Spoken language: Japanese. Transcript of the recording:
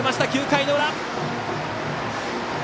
９回の裏。